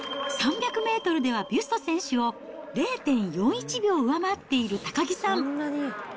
３００メートルではビュスト選手を０．４１秒上回っている高木さん。